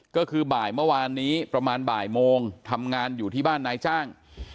ก็คือบ่ายเมื่อวานนี้ประมาณบ่ายโมงทำงานอยู่ที่บ้านนายจ้าง